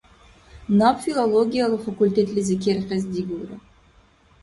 Наб филологияла факультетлизи керхес дигулра.